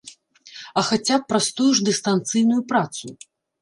А хаця б праз тую ж дыстанцыйную працу!